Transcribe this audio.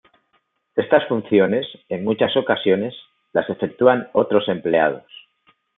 Estas funciones, en muchas ocasiones, las efectúan otros empleados.